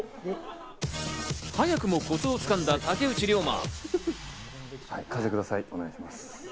早くもコツを掴んだ竹内涼真。